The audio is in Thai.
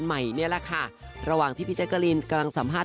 ใหม่นี่แหละค่ะระหว่างที่พี่แจ๊กกะลีนกำลังสัมภาษณ